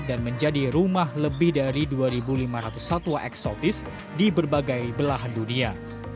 dan menjadi rumah lebih dari dua lima ratus satwa eksotis di berbagai belahan dunia